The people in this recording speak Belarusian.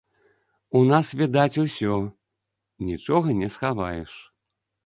У нас відаць усё, нічога не схаваеш.